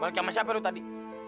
balik sama siapa lu tadi